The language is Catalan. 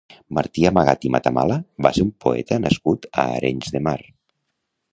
Martí Amagat i Matamala va ser un poeta nascut a Arenys de Mar.